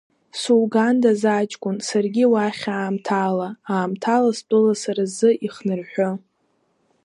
Сугандаз, аҷкәын, саргьы уахь аамҭала, аамҭала стәыла сара сзы ихнырҳәы!